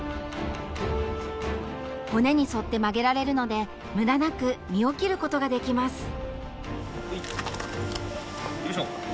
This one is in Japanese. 骨に沿って曲げられるので無駄なく身を切ることができます。